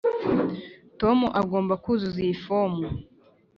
tom agomba kuzuza iyi fomu.